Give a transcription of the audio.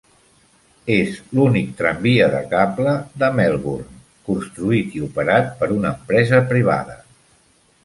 És l'únic tramvia de cable de Melbourne construït i operat per una empresa privada.